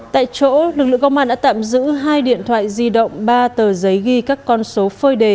tại chỗ lực lượng công an đã tạm giữ hai điện thoại di động ba tờ giấy ghi các con số phơi đề